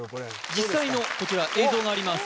実際の映像があります